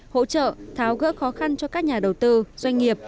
hỗ trợ tháo gỡ khó khăn cho các nhà đầu tư doanh nghiệp